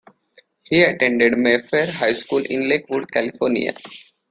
He attended Mayfair High School in Lakewood, California.